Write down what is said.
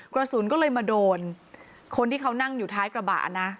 กระสุนก็เลยมาโดนคนที่เขานั่งอยู่ท้ายกระบะนะ